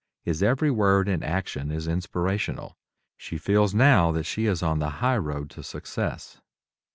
His every word and action is inspirational. She feels now that she is on the highroad to success.